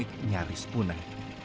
dukuh senik nyaris punah